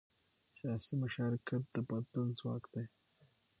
سیاسي مشارکت د بدلون ځواک دی